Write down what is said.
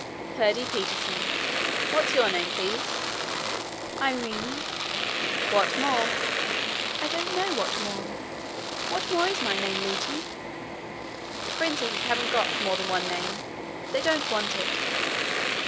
'Curdie Peterson. What's your name, please?' 'Irene.' 'What more?' 'I don't know what more. What more is my name, Lootie?' 'Princesses haven't got more than one name. They don't want it.'